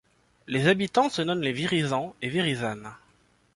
Les habitants se nomment les Virysans et Virysannes.